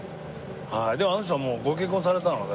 でもあの人はもうご結婚されたので。